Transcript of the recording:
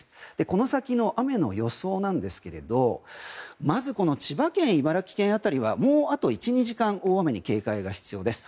この先の雨の予想ですがまず、千葉県、茨城県辺りはもうあと１２時間大雨に警戒が必要です。